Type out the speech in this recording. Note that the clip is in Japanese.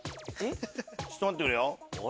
ちょっと待ってくれよ。